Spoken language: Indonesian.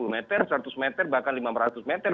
lima puluh meter seratus meter bahkan lima ratus meter